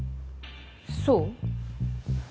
そう？